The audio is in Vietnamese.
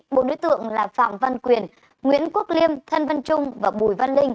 bộ đối tượng là phạm văn quyền nguyễn quốc liêm thân văn trung và bùi văn linh